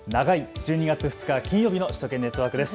１２月２日、金曜日の首都圏ネットワークです。